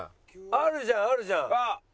あるじゃんあるじゃん。